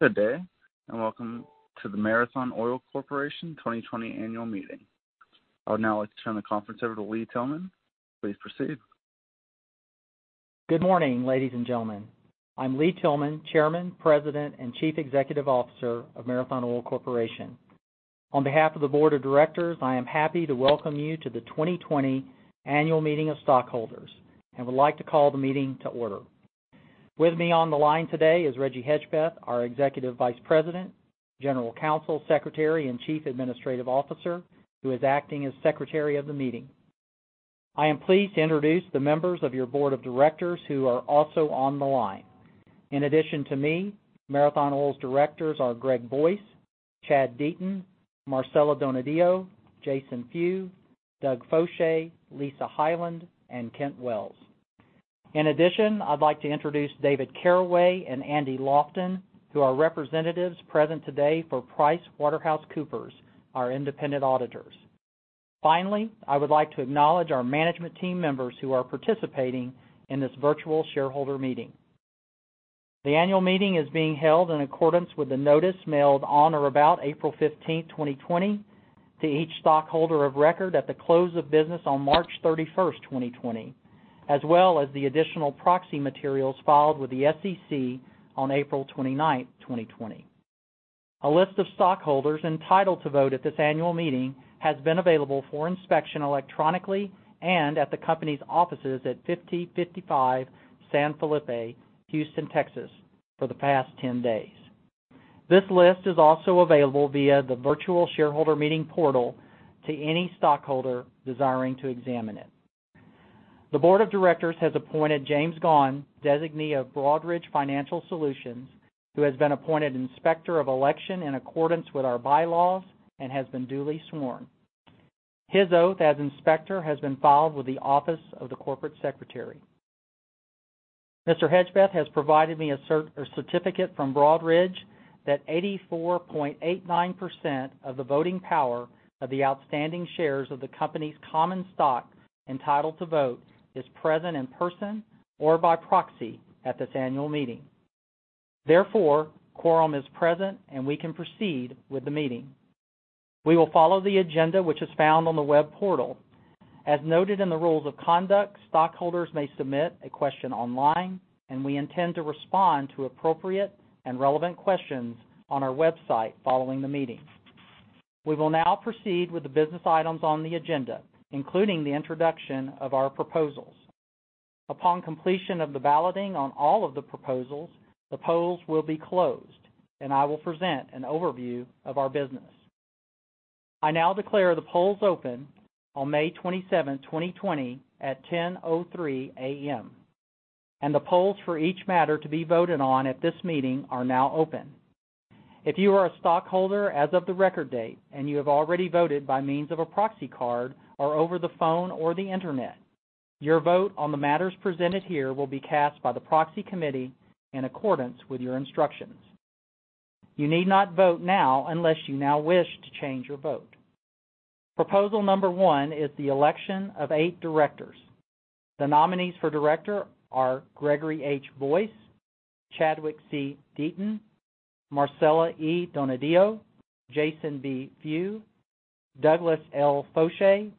Good day, welcome to the Marathon Oil Corporation 2020 Annual Meeting. I would now like to turn the conference over to Lee Tillman. Please proceed. Good morning, ladies and gentlemen. I'm Lee Tillman, Chairman, President, and Chief Executive Officer of Marathon Oil Corporation. On behalf of the Board of Directors, I am happy to welcome you to the 2020 Annual Meeting of Stockholders, and would like to call the meeting to order. With me on the line today is Reggie Hedgepeth, our Executive Vice President, General Counsel, Secretary, and Chief Administrative Officer, who is acting as Secretary of the meeting. I am pleased to introduce the members of your Board of Directors who are also on the line. In addition to me, Marathon Oil's directors are Greg Boyce, Chad Deaton, Marcela Donadio, Jason Few, Doug Foshee, Lisa Highland, and Kent Wells. In addition, I'd like to introduce David Caraway and Andy Lofton, who are representatives present today for PricewaterhouseCoopers, our independent auditors. Finally, I would like to acknowledge our management team members who are participating in this virtual shareholder meeting. The annual meeting is being held in accordance with the notice mailed on or about April 15th, 2020 to each stockholder of record at the close of business on March 31st, 2020, as well as the additional proxy materials filed with the SEC on April 29th, 2020. A list of stockholders entitled to vote at this annual meeting has been available for inspection electronically and at the company's offices at 5055 San Felipe, Houston, Texas, for the past 10 days. This list is also available via the virtual shareholder meeting portal to any stockholder desiring to examine it. The Board of Directors has appointed James Gaughan, designee of Broadridge Financial Solutions, who has been appointed Inspector of Election in accordance with our bylaws and has been duly sworn. His oath as inspector has been filed with the Office of the Corporate Secretary. Mr. Hedgebeth has provided me a certificate from Broadridge that 84.89% of the voting power of the outstanding shares of the company's common stock entitled to vote is present in person or by proxy at this annual meeting. Therefore, quorum is present, and we can proceed with the meeting. We will follow the agenda, which is found on the web portal. As noted in the rules of conduct, stockholders may submit a question online, and we intend to respond to appropriate and relevant questions on our website following the meeting. We will now proceed with the business items on the agenda, including the introduction of our proposals. Upon completion of the balloting on all of the proposals, the polls will be closed, and I will present an overview of our business. I now declare the polls open on May 27, 2020, at 10:03 A.M., and the polls for each matter to be voted on at this meeting are now open. If you are a stockholder as of the record date and you have already voted by means of a proxy card or over the phone or the Internet, your vote on the matters presented here will be cast by the proxy committee in accordance with your instructions. You need not vote now unless you now wish to change your vote. Proposal number one is the election of eight directors. The nominees for director are Gregory H. Boyce, Chadwick C. Deaton, Marcela E. Donadio, Jason B. Few, Douglas L. Foshee,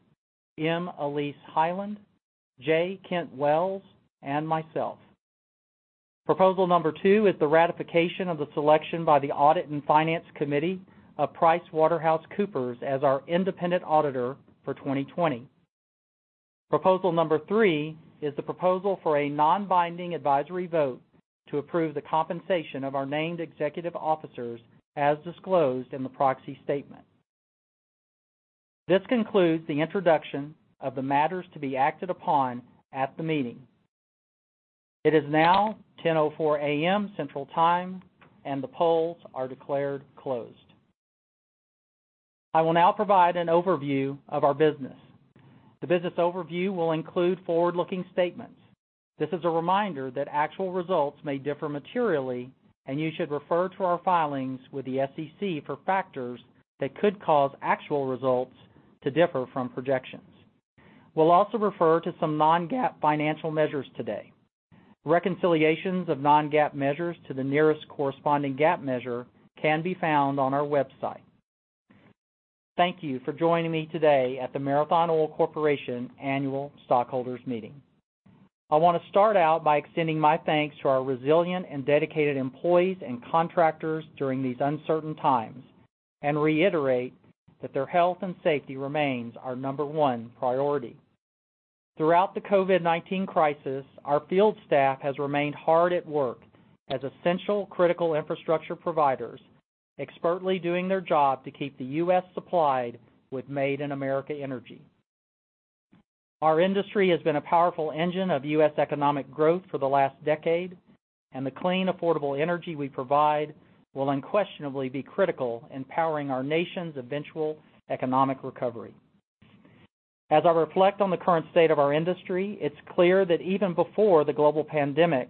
M. Elise Hyland, J. Kent Wells, and myself. Proposal number two is the ratification of the selection by the Audit and Finance Committee of PricewaterhouseCoopers as our independent auditor for 2020. Proposal number three is the proposal for a non-binding advisory vote to approve the compensation of our named executive officers as disclosed in the proxy statement. This concludes the introduction of the matters to be acted upon at the meeting. It is now 10:04 A.M. Central Time, and the polls are declared closed. I will now provide an overview of our business. The business overview will include forward-looking statements. This is a reminder that actual results may differ materially, and you should refer to our filings with the SEC for factors that could cause actual results to differ from projections. We'll also refer to some non-GAAP financial measures today. Reconciliations of non-GAAP measures to the nearest corresponding GAAP measure can be found on our website. Thank you for joining me today at the Marathon Oil Corporation Annual Stockholders Meeting. I want to start out by extending my thanks to our resilient and dedicated employees and contractors during these uncertain times, and reiterate that their health and safety remains our number one priority. Throughout the COVID-19 crisis, our field staff has remained hard at work as essential critical infrastructure providers, expertly doing their job to keep the U.S. supplied with Made in America energy. The clean, affordable energy we provide will unquestionably be critical in powering our nation's eventual economic recovery. As I reflect on the current state of our industry, it's clear that even before the global pandemic,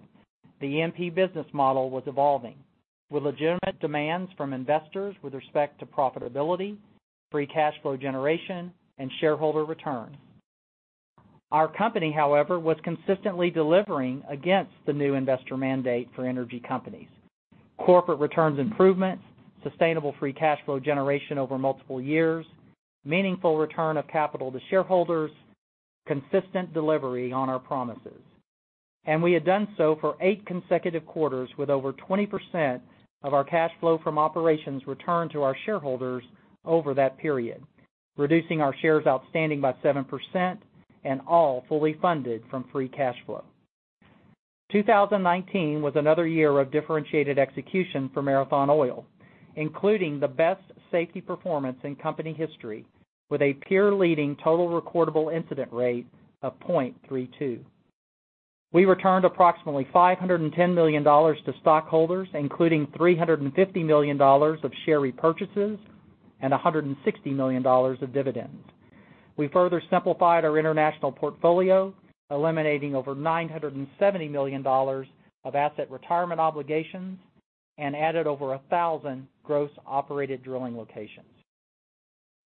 the E&P business model was evolving with legitimate demands from investors with respect to profitability, free cash flow generation, and shareholder return. Our company, however, was consistently delivering against the new investor mandate for energy companies. Corporate returns improvements, sustainable free cash flow generation over multiple years, meaningful return of capital to shareholders, consistent delivery on our promises. We had done so for eight consecutive quarters, with over 20% of our cash flow from operations returned to our shareholders over that period, reducing our shares outstanding by 7% and all fully funded from free cash flow. 2019 was another year of differentiated execution for Marathon Oil, including the best safety performance in company history, with a peer-leading total recordable incident rate of 0.32. We returned approximately $510 million to stockholders, including $350 million of share repurchases and $160 million of dividends. We further simplified our international portfolio, eliminating over $970 million of asset retirement obligations and added over 1,000 gross operated drilling locations.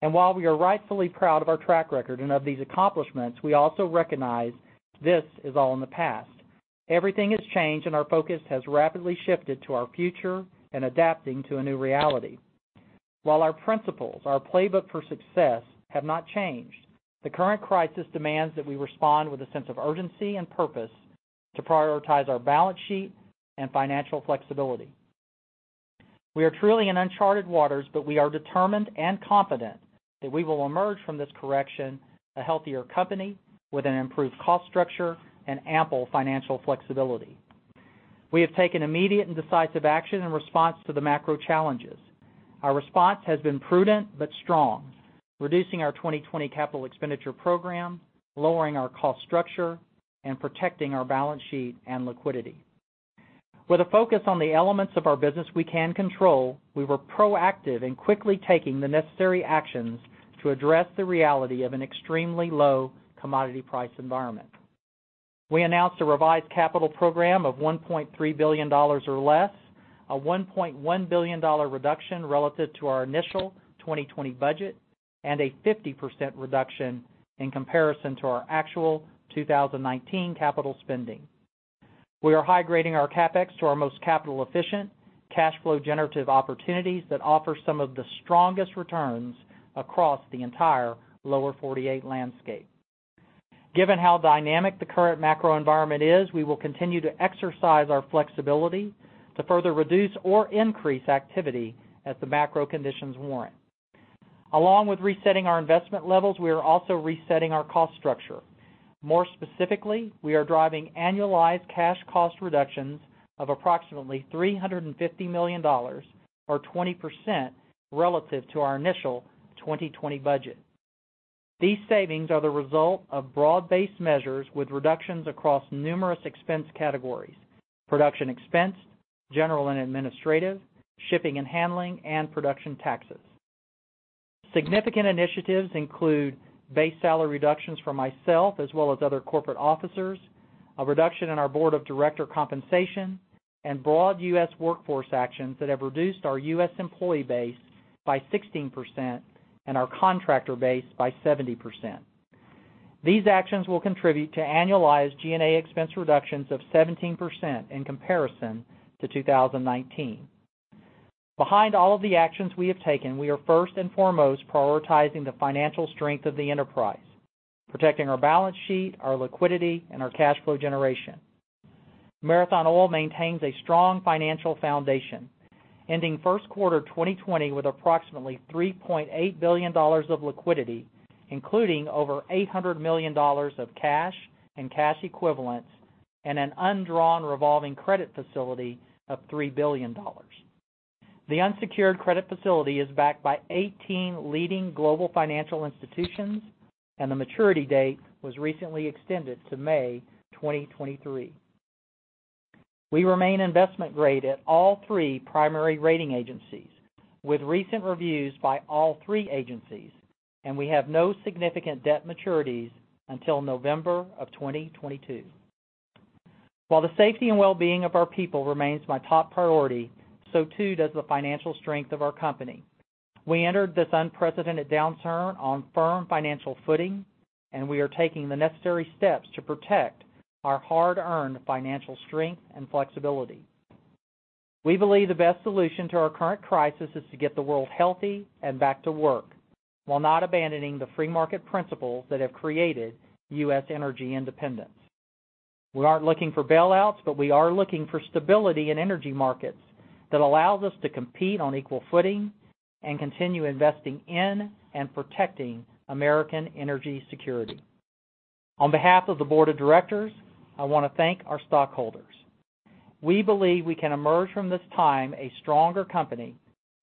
While we are rightfully proud of our track record and of these accomplishments, we also recognize this is all in the past. Everything has changed, and our focus has rapidly shifted to our future and adapting to a new reality. While our principles, our playbook for success have not changed, the current crisis demands that we respond with a sense of urgency and purpose to prioritize our balance sheet and financial flexibility. We are truly in uncharted waters, but we are determined and confident that we will emerge from this correction a healthier company with an improved cost structure and ample financial flexibility. We have taken immediate and decisive action in response to the macro challenges. Our response has been prudent but strong, reducing our 2020 capital expenditure program, lowering our cost structure, and protecting our balance sheet and liquidity. With a focus on the elements of our business we can control, we were proactive in quickly taking the necessary actions to address the reality of an extremely low commodity price environment. We announced a revised capital program of $1.3 billion or less, a $1.1 billion reduction relative to our initial 2020 budget, and a 50% reduction in comparison to our actual 2019 capital spending. We are high-grading our CapEx to our most capital-efficient, cash flow-generative opportunities that offer some of the strongest returns across the entire Lower 48 landscape. Given how dynamic the current macro environment is, we will continue to exercise our flexibility to further reduce or increase activity as the macro conditions warrant. Along with resetting our investment levels, we are also resetting our cost structure. More specifically, we are driving annualized cash cost reductions of approximately $350 million, or 20% relative to our initial 2020 budget. These savings are the result of broad-based measures with reductions across numerous expense categories: production expense, general and administrative, shipping and handling, and production taxes. Significant initiatives include base salary reductions for myself as well as other corporate officers, a reduction in our Board of Director compensation, and broad U.S. workforce actions that have reduced our U.S. employee base by 16% and our contractor base by 70%. These actions will contribute to annualized G&A expense reductions of 17% in comparison to 2019. Behind all of the actions we have taken, we are first and foremost prioritizing the financial strength of the enterprise, protecting our balance sheet, our liquidity, and our cash flow generation. Marathon Oil maintains a strong financial foundation, ending first quarter 2020 with approximately $3.8 billion of liquidity, including over $800 million of cash and cash equivalents and an undrawn revolving credit facility of $3 billion. The unsecured credit facility is backed by 18 leading global financial institutions, and the maturity date was recently extended to May 2023. We remain investment grade at all three primary rating agencies, with recent reviews by all three agencies, and we have no significant debt maturities until November of 2022. While the safety and well-being of our people remains my top priority, so too does the financial strength of our company. We entered this unprecedented downturn on firm financial footing, and we are taking the necessary steps to protect our hard-earned financial strength and flexibility. We believe the best solution to our current crisis is to get the world healthy and back to work while not abandoning the free market principles that have created U.S. energy independence. We aren't looking for bailouts, we are looking for stability in energy markets that allows us to compete on equal footing and continue investing in and protecting American energy security. On behalf of the Board of Directors, I want to thank our stockholders. We believe we can emerge from this time a stronger company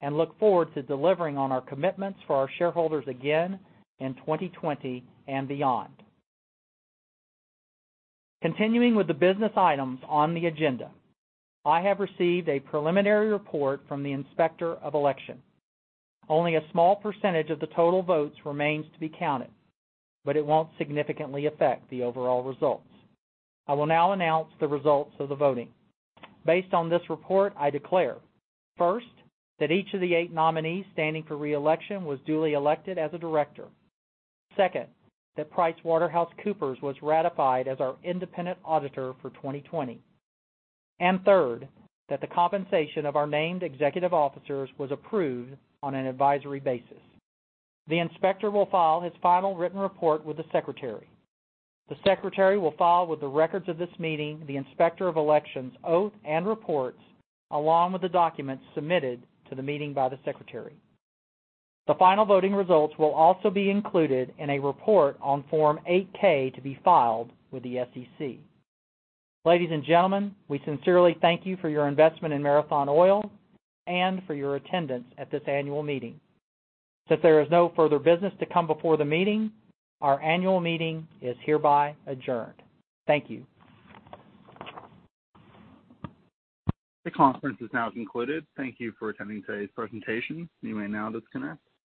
and look forward to delivering on our commitments for our shareholders again in 2020 and beyond. Continuing with the business items on the agenda, I have received a preliminary report from the Inspector of Election. Only a small percentage of the total votes remains to be counted, but it won't significantly affect the overall results. I will now announce the results of the voting. Based on this report, I declare, first, that each of the eight nominees standing for re-election was duly elected as a director. Second, that PricewaterhouseCoopers was ratified as our independent auditor for 2020. Third, that the compensation of our named executive officers was approved on an advisory basis. The Inspector will file his final written report with the Secretary. The Secretary will file with the records of this meeting the Inspector of Election's oath and reports along with the documents submitted to the meeting by the Secretary. The final voting results will also be included in a report on Form 8-K to be filed with the SEC. Ladies and gentlemen, we sincerely thank you for your investment in Marathon Oil and for your attendance at this annual meeting. Since there is no further business to come before the meeting, our annual meeting is hereby adjourned. Thank you. The conference is now concluded. Thank you for attending today's presentation. You may now disconnect.